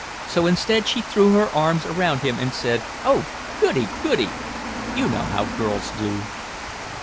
So instead she threw her arms around him and said, "Oh goody, goody!" You know how girls do.